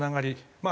まあ